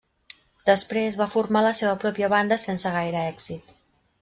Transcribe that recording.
Després va formar la seva pròpia banda sense gaire èxit.